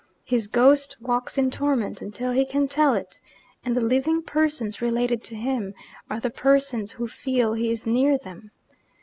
His ghost walks in torment until he can tell it and the living persons related to him are the persons who feel he is near them.